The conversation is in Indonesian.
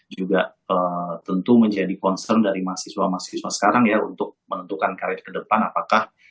juga tentu menjadi concern dari mahasiswa mahasiswa sekarang ya untuk menentukan karir ke depan apakah